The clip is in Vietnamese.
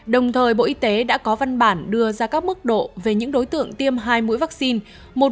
đồng thời bộ y tế đã có văn bản đưa ra các mức độ về những đối tượng tiêm hai mũi vaccine